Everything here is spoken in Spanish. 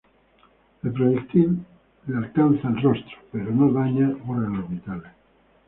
El proyectil le alcanza el rostro, pero no daña órganos vitales.